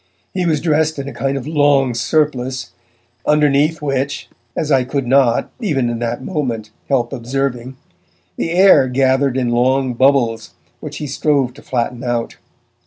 He was dressed in a kind of long surplice, underneath which as I could not, even in that moment, help observing the air gathered in long bubbles which he strove to flatten out.